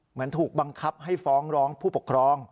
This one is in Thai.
เหมือนถูกบังคับให้ฟ้องร้องผู้ปกครอง